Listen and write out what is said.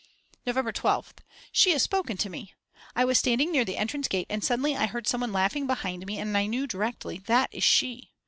November 12th. She has spoken to me. I was standing near the entrance gate and suddenly I heard some one laughing behind me and I knew directly: That is _she!